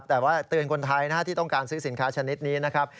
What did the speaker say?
แต่ว่าเตือนคนไทยนะฮะที่ต้องการซื้อสินค้าชนิดนี้นะครับ